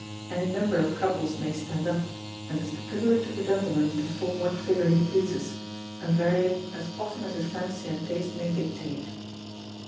Any number of couples may stand up, and it is the privilege of the gentleman to form what figure he pleases, and vary it as often as his fancy and taste may dictate.